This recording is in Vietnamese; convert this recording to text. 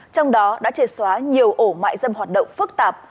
trong đó đã triệt xóa nhiều ổ mại dâm hoạt động phức tạp